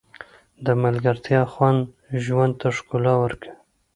د ملګرتیا خوند ژوند ته ښکلا ورکوي.